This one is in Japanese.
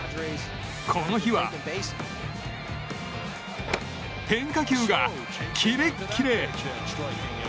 この日は変化球がキレッキレ！